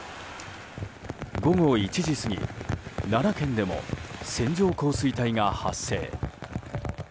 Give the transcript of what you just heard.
午後１時過ぎ、奈良県でも線状降水帯が発生。